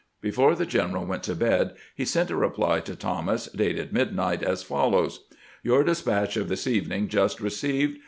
..." Before the general went to bed he sent a reply to Thomas, dated midnight, as follows :" Tour despatch of this evening just received.